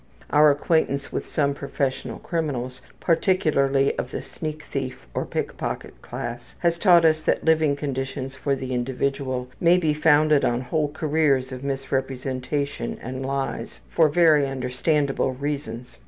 Our acquaintance with some professional criminals, particularly of the sneak thief or pick pocket class, has taught us that living conditions for the individual may be founded on whole careers of misrepresentation and lies for very understandable reasons.